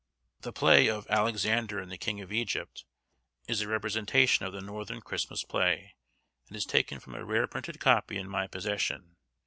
The play of 'Alexander and the King of Egypt,' is a representation of the northern Christmas play, and is taken from a rare printed copy in my possession.